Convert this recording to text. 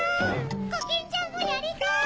コキンちゃんもやりたい！